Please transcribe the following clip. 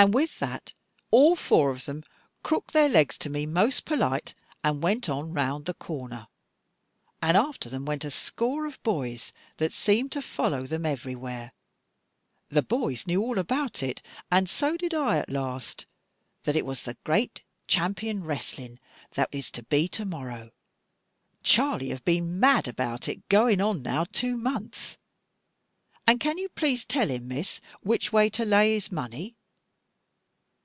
And with that all four of them crooked their legs to me most polite, and went on round the corner; and after them went a score of boys, that seemed to follow them everywhere. The boys knew all about it, and so did I at last, that it was the great champion wrestling, that is to be to morrow. Charley have been mad about it going on now two months. And can you please to tell him, Miss, which way to lay his money?"